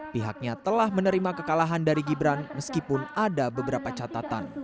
pihaknya telah menerima kekalahan dari gibran meskipun ada beberapa catatan